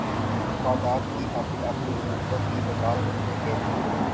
فادات کی خاطر اپنی حکومتوں کی بساط الٹنے کیلئے